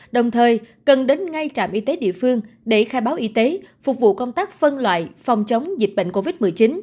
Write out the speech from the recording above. đồng thời cần đến ngay trạm y tế địa phương để khai báo y tế phục vụ công tác phân loại phòng chống dịch bệnh covid một mươi chín